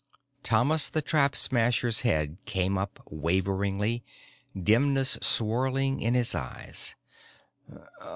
Thomas the Trap Smasher's head came up waveringly, dimness swirling in his eyes.